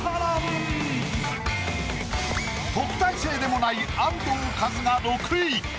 特待生でもない安藤和津が６位。